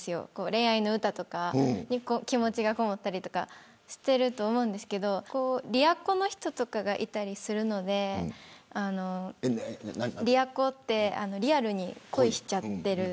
恋愛の歌とかに気持ちがこもったりとかしてると思うんですけどリアコの人がいたりするのでリアコってリアルに恋しちゃってる。